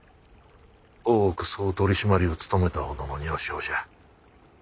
大奥総取締を務めたほどの女性じゃ。